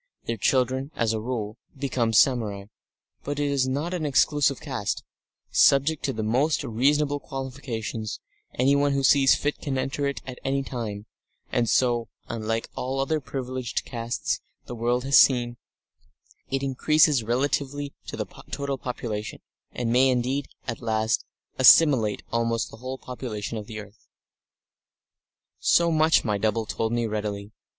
Their children, as a rule, become samurai. But it is not an exclusive caste; subject to the most reasonable qualifications, anyone who sees fit can enter it at any time, and so, unlike all other privileged castes the world has seen, it increases relatively to the total population, and may indeed at last assimilate almost the whole population of the earth. Section 7 So much my double told me readily.